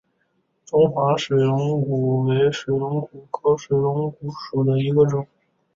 中华水龙骨为水龙骨科水龙骨属下的一个种。